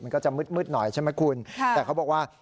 มันก็จะมืดหน่อยใช่ไหมคุณแต่เขาบอกว่า